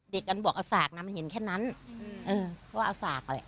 เด็กกันบอกเอาสากนะมันเห็นแค่นั้นเออเพราะว่าเอาสากเลย